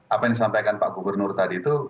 apa yang disampaikan pak gubernur tadi itu